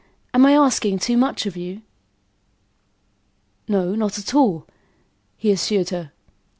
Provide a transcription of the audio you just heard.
Am I asking too much of you?" "No, not at all," he assured her.